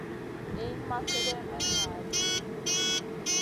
Niyn ma slèdeyn may ŋa ɗi.